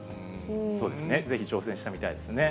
そうですね、ぜひ挑戦してみたいですね。